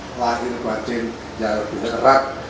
kepemimpin jahat dan lebih erat